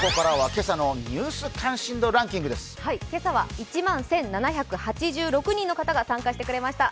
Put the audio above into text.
今朝は１万１７８６人の方が参加してくれました。